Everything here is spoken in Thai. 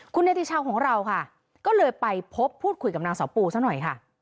คุณเนติชาวของเราค่ะก็เลยไปพบพูดคุยกับนางเสาปูซะหน่อยค่ะ